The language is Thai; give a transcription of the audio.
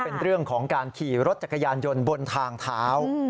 เป็นเรื่องของการขี่รถจักรยานยนต์บนทางเท้า